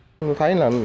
tôi thấy là